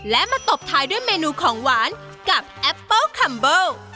และมาตบท้ายด้วยเมนูของหวานกับแอปเปิ้ลคัมเบิล